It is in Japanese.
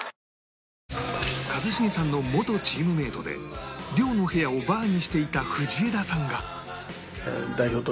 一茂さんの元チームメイトで寮の部屋をバーにしていた藤枝さんが